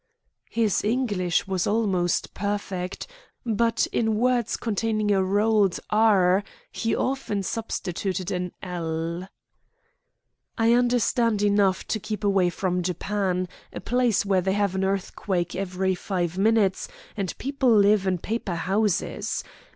His English was almost perfect, but in words containing a rolled "r" he often substituted an "l." "I understand enough to keep away from Japan, a place where they have an earthquake every five minutes, and people live in paper houses.